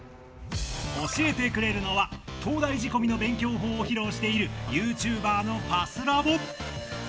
教えてくれるのは東大仕込みの勉強法を披露しているＹｏｕＴｕｂｅｒのＰＡＳＳＬＡＢＯ。